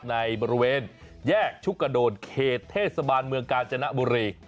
ในบริเวณแยกชุกกระโดนเขตเทศบาลเมืองกาญจนบุรี